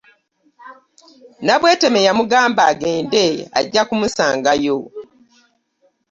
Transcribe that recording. Nabweteme yamugamba agende ajja kumusangayo.